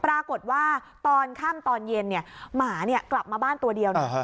ปรากฏว่าตอนค่ำตอนเย็นเนี่ยหมาเนี่ยกลับมาบ้านตัวเดียวนะ